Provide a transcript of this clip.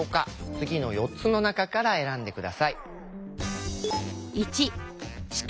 次の４つの中から選んで下さい。